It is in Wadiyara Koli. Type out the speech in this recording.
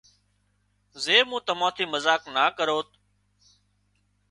زي مُون تمان ٿِي مزاق نا ڪروت